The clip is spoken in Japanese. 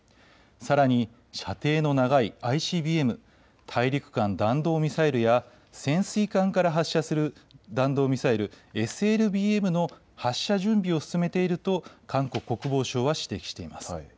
さらに射程の長いＩＣＢＭ・大陸間弾道ミサイルや潜水艦から発射する弾道ミサイル、ＳＬＢＭの発射準備を進めていると韓国国防省は指摘しています。